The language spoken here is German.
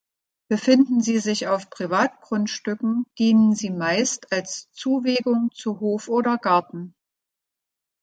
Befinden sie sich auf Privatgrundstücken, dienen sie meist als Zuwegung zu Hof oder Garten.